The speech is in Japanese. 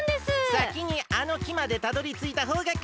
さきにあのきまでたどりついたほうがかちだ。